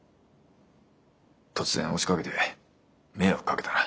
突然押しかけて迷惑かけたな。